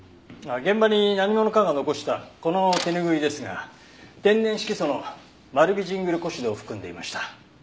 現場に何者かが残したこの手拭いですが天然色素のマルビジングルコシドを含んでいました。